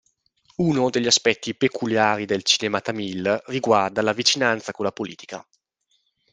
Uno degli aspetti peculiari del cinema tamil riguarda la vicinanza con la politica.